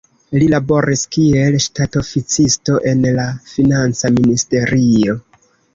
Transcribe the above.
Li laboris kiel ŝtatoficisto en la financa ministerio.